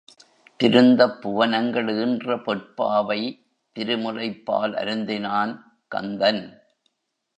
திருந்தப் புவனங்கள் ஈன்ற பொற் பாவை திருமுலைப் பால் அருந்தினான் கந்தன்.